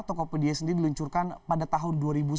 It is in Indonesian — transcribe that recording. tokopedia sendiri diluncurkan pada tahun dua ribu sembilan belas